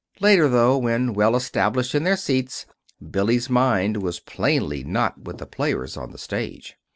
Later, though, when well established in their seats, Billy's mind was plainly not with the players on the stage.